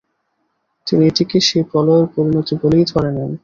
তিনি এটিকে সেই প্রলয়ের পরিণতি বলেই ধরে নেন।